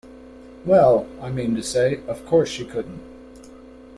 Well, I mean to say, of course she couldn't.